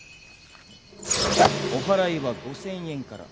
お祓いは５０００円から。